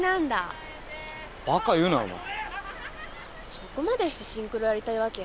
そこまでしてシンクロやりたいわけ？